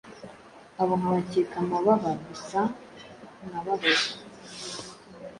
abo nkabakeka amababa. Gusa nkababazwa